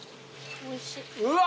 うわ！